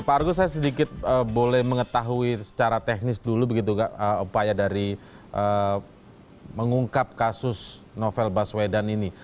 pak argo saya sedikit boleh mengetahui secara teknis dulu begitu upaya dari mengungkap kasus novel baswedan ini